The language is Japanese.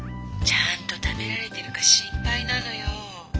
ちゃんと食べられてるか心配なのよ。